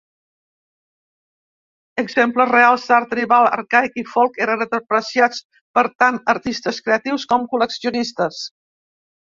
Exemples reals d'art tribal, arcaic, i folk eren apreciats per tant artistes creatius com col·leccionistes.